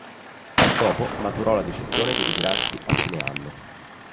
Dopo maturò la decisione di ritirarsi a fine anno.